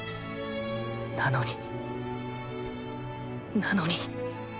なのになのに